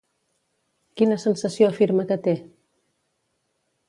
Quina sensació afirma que té?